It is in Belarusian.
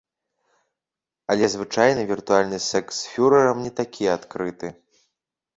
Але звычайна віртуальны сэкс з фюрэрам не такі адкрыты.